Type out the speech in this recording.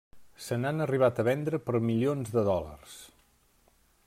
Se n'han arribat a vendre per milions de dòlars.